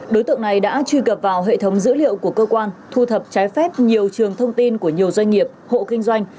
đối tượng này đã truy cập vào hệ thống dữ liệu của cơ quan thu thập trái phép nhiều trường thông tin của nhiều doanh nghiệp hộ kinh doanh